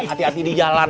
ati ati di jalan